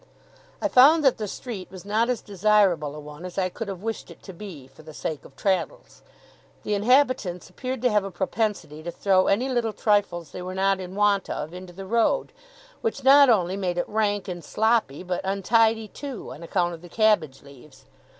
I found that the street was not as desirable a one as I could have wished it to be, for the sake of Traddles. The inhabitants appeared to have a propensity to throw any little trifles they were not in want of, into the road: which not only made it rank and sloppy, but untidy too, on account of the cabbage leaves.